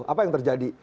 apa yang terjadi